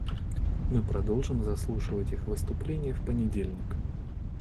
Мы продолжим заслушивать их выступления в понедельник.